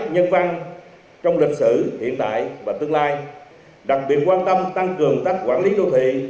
nhân văn trong lịch sử hiện tại và tương lai đặc biệt quan tâm tăng cường tác quản lý đô thị